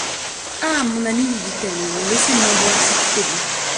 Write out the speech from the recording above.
Ha ! mon ami, dit-elle, laissez-moi voir si tout est bien